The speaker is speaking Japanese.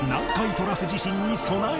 トラフ地震に備える